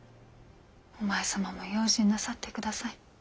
お前様も用心なさってください。